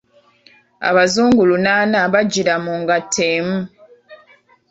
Abazungu lunaana bajjira mu ngatto emu.